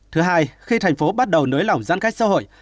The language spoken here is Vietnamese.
thứ hai khi thành phố bắt đầu nới lỏng giãn cách xã hội